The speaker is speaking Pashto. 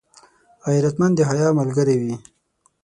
غیرتمند د حیا ملګری وي